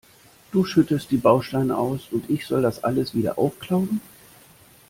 Du schüttest die Bausteine aus, und ich soll das alles wieder aufklauben?